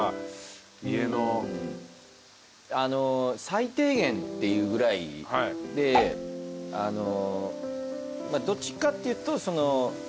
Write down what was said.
最低限っていうぐらいでどっちかっていうと。